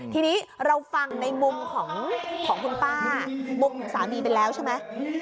ทีนี้เราฟังในมุมของคุณป้ามุมของสามีไปแล้วใช่ไหม